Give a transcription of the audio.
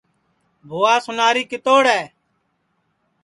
بھوا سُناری کِتوڑ ہے